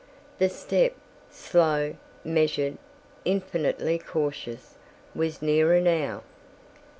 The step, slow, measured, infinitely cautious, was nearer now.